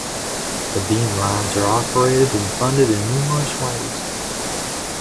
The beamlines are operated and funded in numerous ways.